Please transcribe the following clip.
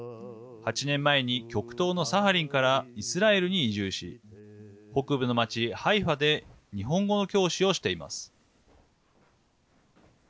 ８年前に極東のサハリンからイスラエルに移住し北部の町ハイファで日本語の教師をしています。